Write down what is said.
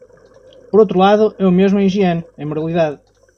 Por outro lado, é o mesmo em higiene, em moralidade.